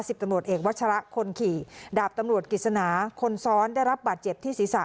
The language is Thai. ตำรวจเอกวัชระคนขี่ดาบตำรวจกิจสนาคนซ้อนได้รับบาดเจ็บที่ศีรษะ